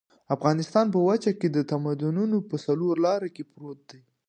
افغانستان په وچه کې د تمدنونو په څلور لاري کې پروت دی.